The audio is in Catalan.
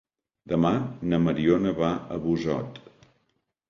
Demà na Mariona va a Busot.